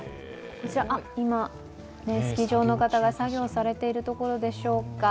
今、スキー場の方が作業されているところでしょうか。